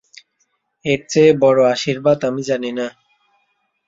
এর চেয়ে বড় আশীর্বাদ আমি জানি না।